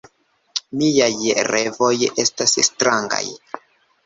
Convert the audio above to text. Miaj revoj estas strangaj.